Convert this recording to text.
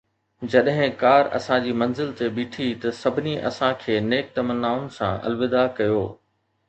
جڏهن ڪار اسان جي منزل تي بيٺي ته سڀني اسان کي نيڪ تمنائن سان الوداع ڪيو